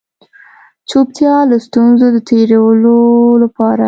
چوپتيا له ستونزو د تېرېدلو لپاره